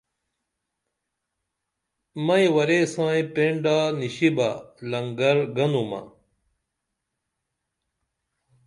مئیں ورے ساں پینڈا نِشی بہ لنگر گنُمہ